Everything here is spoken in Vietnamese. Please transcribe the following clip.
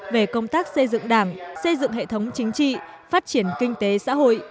về công tác xây dựng đảng xây dựng hệ thống chính trị phát triển kinh tế xã hội